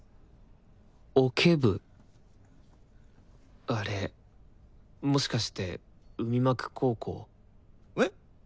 オケ部あれもしかして海幕高校？えっ？